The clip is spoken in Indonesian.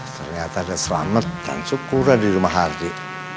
ternyata ada selamat dan syukuran di rumah hardi